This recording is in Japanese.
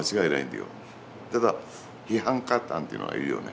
ただ批判家なんていうのがいるよね。